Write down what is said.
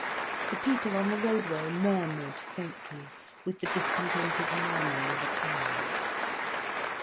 The people on the roadway murmured faintly with the discontented murmuring of a crowd.